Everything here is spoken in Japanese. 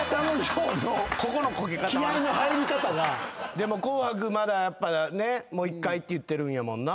でも『紅白』まだやっぱねもう一回って言ってるんやもんな。